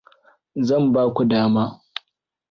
Zan baku dama.